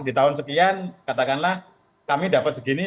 di tahun sekian katakanlah kami dapat segini